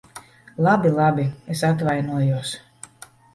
Labi, labi. Es atvainojos.